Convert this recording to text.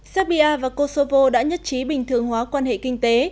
serbia và kosovo đã nhất trí bình thường hóa quan hệ kinh tế